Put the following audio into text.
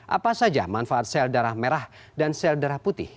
apa saja manfaat sel darah merah dan sel darah putih